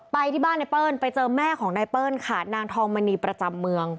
ไปที่บ้านไนเปิ้ลไปเจอแม่ของนายเปิ้ลค่ะนางทองมณีประจำเมือง